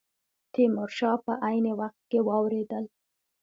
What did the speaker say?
تیمور شاه په عین وخت کې واورېدل.